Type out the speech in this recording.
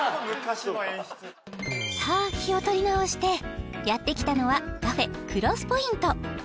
さあ気を取り直してやって来たのはカフェＣＲＯＳＳＰＯＩＮＴ